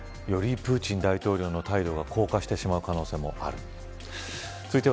よりプーチン大統領の態度が硬化してしまう可能性があります。